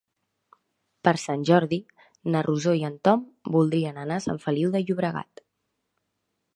Per Sant Jordi na Rosó i en Tom voldrien anar a Sant Feliu de Llobregat.